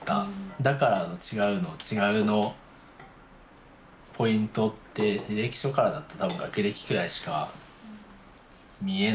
「だから違う」の「違う」のポイントって履歴書からだと多分学歴くらいしか見えないと思うので。